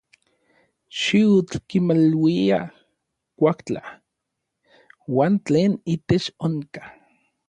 Xiutl kimaluia kuajtla uan tlen itech onka.